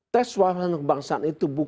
tes suasana kebangsaan itu bukan